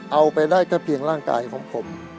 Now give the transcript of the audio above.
เอาไปได้แค่เพียงร่างกายของผม